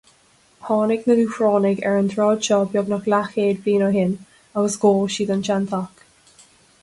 Tháinig na Dúchrónaigh ar an tsráid seo beagnach leathchéad bliain ó shin agus dhóigh siad an seanteach.